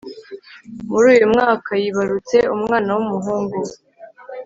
muruyu mwakayibarutse umwana w'umuhungu